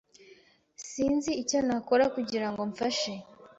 Sinzi icyo nakora kugirango mfashe.